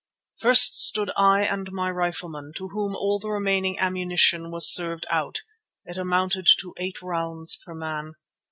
First stood I and my riflemen, to whom all the remaining ammunition was served out; it amounted to eight rounds per man.